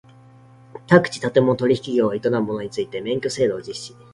宅地建物取引業を営む者について免許制度を実施